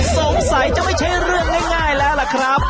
สงสัยจะไม่ใช่เรื่องง่ายแล้วล่ะครับ